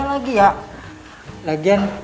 lagi ya lagian